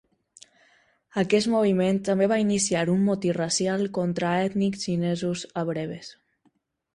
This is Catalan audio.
Aquest moviment també va iniciar un motí racial contra ètnic xinesos a Brebes.